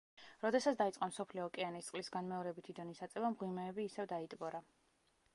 როდესაც დაიწყო მსოფლიო ოკეანის წყლის განმეორებითი დონის აწევა მღვიმეები ისევ დაიტბორა.